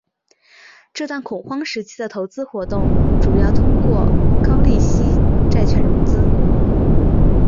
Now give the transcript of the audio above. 这段恐慌时期的投资活动主要通过高利息债券融资。